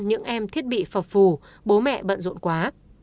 những em thiết bị phòng phù bố mẹ bận rộn quá